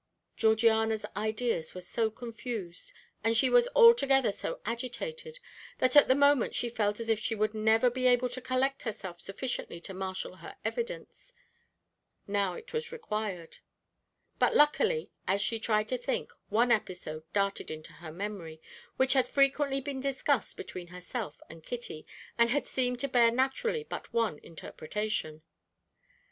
Georgiana's ideas were so confused, and she was altogether so agitated that at the moment she felt as if she would never be able to collect herself sufficiently to marshal her evidence, now it was required; but, luckily, as she tried to think, one episode darted into her memory, which had frequently been discussed between herself and Kitty, and had seemed to bear naturally but one interpretation.